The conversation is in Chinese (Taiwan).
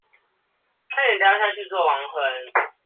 差點掉下去做亡魂